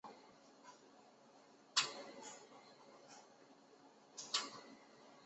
该报经多次改版。